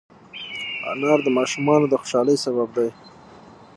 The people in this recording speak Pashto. انار د ماشومانو د خوشحالۍ سبب دی.